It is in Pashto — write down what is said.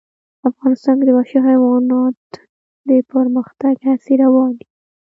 افغانستان کې د وحشي حیوانات د پرمختګ هڅې روانې دي.